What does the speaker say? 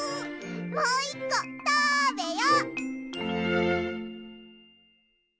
もう１こたべよ！